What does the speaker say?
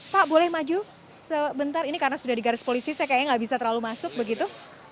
pak boleh maju sebentar ini karena sudah di garis polisi saya kayaknya nggak bisa terlalu masuk begitu